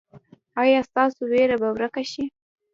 ایا ستاسو ویره به ورکه شي؟